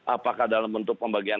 apakah dalam bentuk pembagian